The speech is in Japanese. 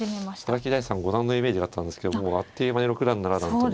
佐々木大地さん五段のイメージがあったんですけどもうあっという間に六段七段と。